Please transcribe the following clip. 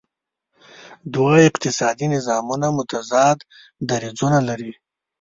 دوه اقتصادي نظامونه متضاد دریځونه لري.